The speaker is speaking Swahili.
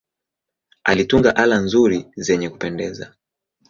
Alitunga ala nzuri zenye kupendeza.